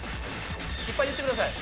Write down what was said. いっぱい言ってください。